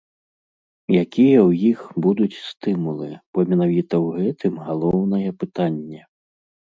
Якія ў іх будуць стымулы, бо менавіта ў гэтым галоўнае пытанне.